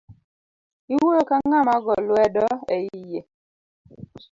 Iwuoyo ka ngama ogo lwedo eiye